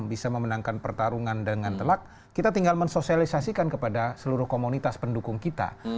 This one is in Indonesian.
bisa memenangkan pertarungan dengan telak kita tinggal mensosialisasikan kepada seluruh komunitas pendukung kita